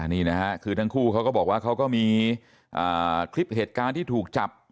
นี่นะฮะคือทั้งคู่เขาก็บอกว่าเขาก็มีคลิปเหตุการณ์ที่ถูกจับ